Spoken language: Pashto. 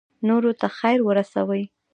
نورو ته خیر ورسوئ